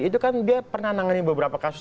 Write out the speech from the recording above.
itu kan dia pernah menangani beberapa kasus